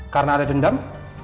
karena ada dendam